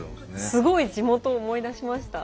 すごい地元を思い出しました。